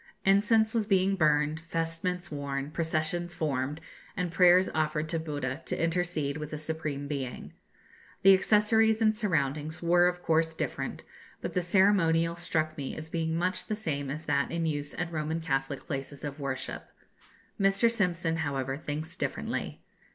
Incense was being burned, vestments worn, processions formed, and prayers offered to Buddha to intercede with the Supreme Being. The accessories and surroundings were of course different, but the ceremonial struck me as being much the same as that in use at Roman Catholic places of worship. Mr. Simpson, however, thinks differently.